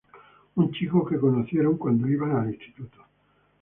Un chico que conocieron cuando iban al instituto.